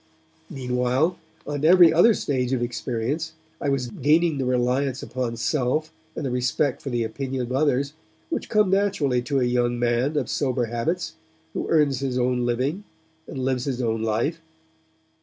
Meanwhile, on every other stage of experience I was gaining the reliance upon self and the respect for the opinion of others which come naturally to a young man of sober habits who earns his own living and lives his own life.